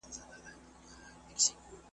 جاهل اولسه کور دي خراب دی `